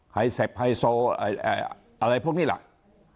เซ็ปไฮโซอะไรพวกนี้แหละ